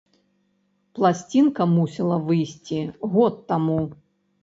Пласцінка мусіла выйсці год таму.